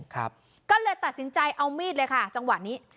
ก็เลยตัดสินใจเอามีดเลยค่ะจังหวะนี้